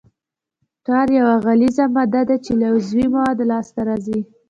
ټار یوه غلیظه ماده ده چې له عضوي موادو لاسته راځي